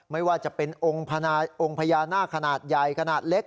ไม่ว่าจะเป็นองค์พญานาคขนาดใหญ่ขนาดเล็ก